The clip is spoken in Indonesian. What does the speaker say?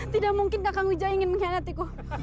tidak mungkin kakang wijaya ingin mengkhianatiku